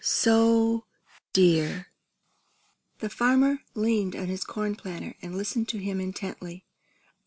So dear!" The farmer leaned on his corn planter and listened to him intently.